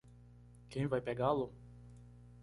Quem vai pegá-lo?